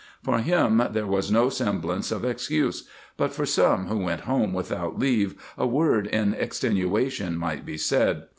* For him there was no semblance of ex cuse, but for some who went home without leave a word in extenuation might be said.